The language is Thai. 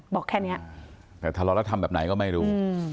บอกแค่เนี้ยแต่ทะเลาะแล้วทำแบบไหนก็ไม่รู้